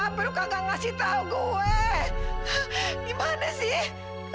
abang gak ngasih tau gue gimana sih